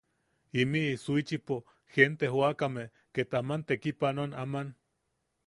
Imiʼi Shuichipo gente joakame ket aman tekipanoan aman.